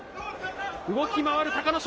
動き回る隆の勝。